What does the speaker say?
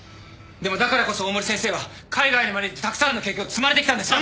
でもだからこそ大森先生は海外にまで行ってたくさんの経験を積まれてきたんです！